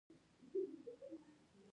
آیا او یو بل سره مرسته نه کوي؟